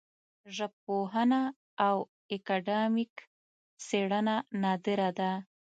ژبپوهنه او اکاډمیک څېړنه نادره ده